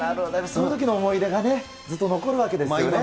そのときの思い出がずっと残るわけですよね。